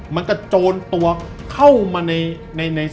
มันโจรตัวเข้ามา